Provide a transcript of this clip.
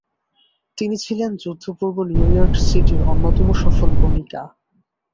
তিনি ছিলেন যুদ্ধপূর্ব নিউইয়র্ক সিটির অন্যতম সফল গণিকা।